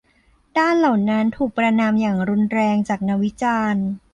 ด้านเหล่านั้นถูกประณามอย่างรุนแรงจากนักวิจารณ์